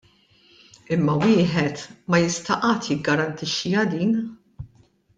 Imma wieħed ma jista' qatt jiggarantixxiha din.